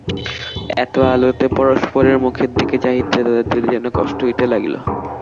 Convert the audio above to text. এত আলোতে পরস্পরের মুখের দিকে চাহিতে তাদের যেন কষ্ট হইতে লাগিল।